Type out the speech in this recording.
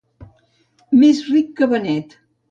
Més ric que Benet.